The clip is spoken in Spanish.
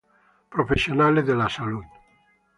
Profesionales de la salud